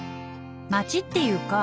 町っていうか